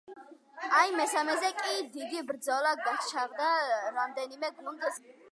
აი მესამეზე კი დიდი ბრძოლა გაჩაღდა რამდენიმე გუნდს შორის.